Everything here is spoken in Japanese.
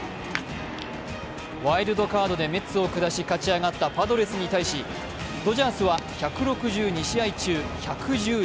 ワイルドカードでメッツを下し勝ち上がったパドレスに対しドジャースは１６２試合中１１１勝。